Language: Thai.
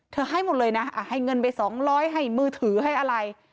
ให้หมดเลยนะให้เงินไป๒๐๐ให้มือถือให้อะไร